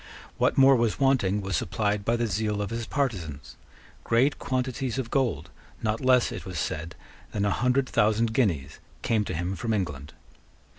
What more was wanting was supplied by the zeal of his partisans. Great quantities of gold, not less, it was said, than a hundred thousand guineas, came to him from England.